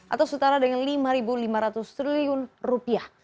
atau setara dengan lima lima ratus triliun rupiah